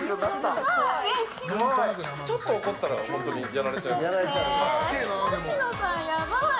ちょっと怒ったら本当にやられちゃいます。